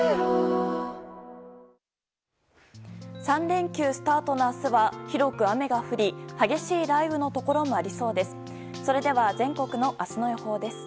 ３連休スタートの明日は広く雨が降り激しい雷雨のところもありそうです。